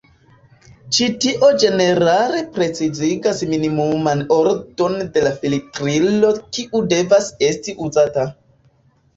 Ĉi tio ĝenerale precizigas minimuman ordon de la filtrilo kiu devas esti uzata.